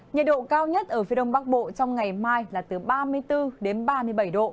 nhiệt độ cao nhất ở phía đông bắc bộ trong ngày mai là từ ba mươi bốn đến ba mươi bảy độ